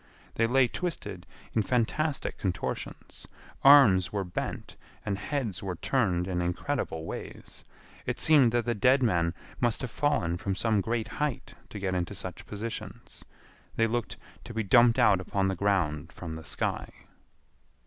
They lay twisted in fantastic contortions. Arms were bent and heads were turned in incredible ways. It seemed that the dead men must have fallen from some great height to get into such positions. They looked to be dumped out upon the ground from the sky.